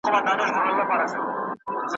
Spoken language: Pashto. جهاني ته وا یاران دي یو په یو خاورو خوړلي `